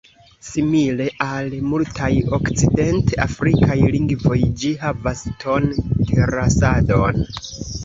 Simile al multaj Okcident-Afrikaj lingvoj, ĝi havas ton-terasadon.